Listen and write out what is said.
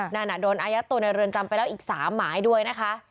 นั่นโดนอายัดตัวในเรือนจำไปแล้วอีก๓หมายด้วยนะคะ